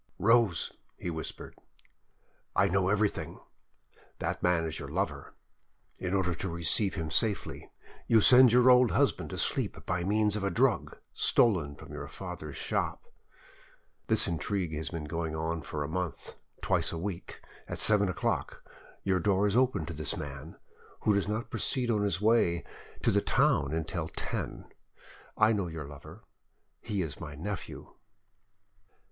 "Rose," he whispered, "I know everything: that man is your lover. In order to receive him safely, you send your old husband to sleep by means of a drug stolen from your father's shop. This intrigue has been going on for a month; twice a week, at seven o'clock, your door is opened to this man, who does not proceed on his way to the town until ten. I know your lover: he is my nephew."